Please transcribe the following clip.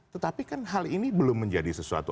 tetapi kan hal ini belum menjadi sesuatu